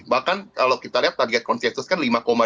bahkan kalau kita lihat target konsensus kan lima tujuh